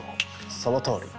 そのとおり。